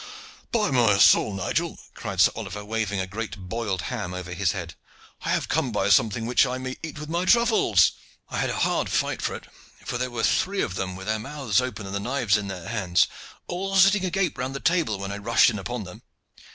"By my soul! Nigel," cried Sir Oliver, waving a great boiled ham over his head, "I have come by something which I may eat with my truffles! I had a hard fight for it, for there were three of them with their mouths open and the knives in their hands, all sitting agape round the table, when I rushed in upon them.